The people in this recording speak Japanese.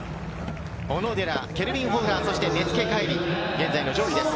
小野寺、ケルビン・ホフラー、そして根附海龍、現在の上位です。